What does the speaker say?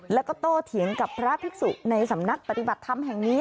แล้วก็โตเถียงกับพระภิกษุในสำนักปฏิบัติธรรมแห่งนี้